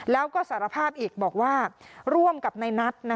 แล้วก็สารภาพอีกบอกว่าร่วมกับในนัท